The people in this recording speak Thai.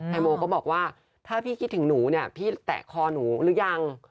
โมก็บอกว่าถ้าพี่คิดถึงหนูเนี่ยพี่แตะคอหนูหรือยัง